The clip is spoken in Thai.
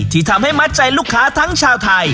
ที่ทำให้มัดใจลูกค้าทั้งชาวไทย